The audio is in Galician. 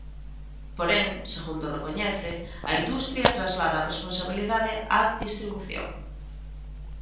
Porén, segundo recoñece, a industria traslada a responsabilidade á distribución.